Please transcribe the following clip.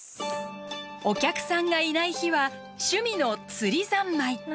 お客さんがいない日は趣味の釣りざんまい。